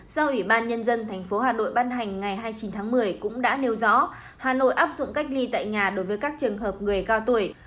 do ủy ban nhân dân tp hà nội ban hành ngày hai mươi chín tháng một mươi cũng đã nêu rõ hà nội áp dụng cách ly tại nhà đối với các trường hợp người cao tuổi